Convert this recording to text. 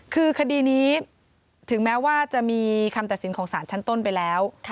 คือคดีนี้ถึงแม้ว่าจะมีคำตัดสินของสารชั้นต้นไปแล้ว